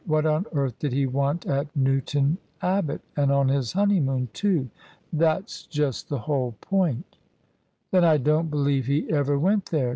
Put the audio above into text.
What on earth did he want at New ton Abbot — ^and on his honeymoon, too ?"" That's just the whole point" " Then I don't believe he ever went there.